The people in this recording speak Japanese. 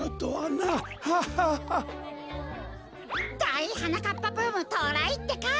だいはなかっぱブームとうらいってか！